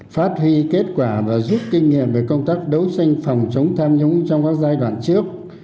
phát huy kết quả và giúp kinh nghiệm về công tác đấu tranh phòng chống tham nhũng trong các giai đoạn trước